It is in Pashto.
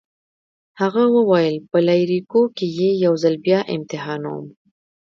هغه وویل: په لایریکو کي يې یو ځل بیا امتحانوم.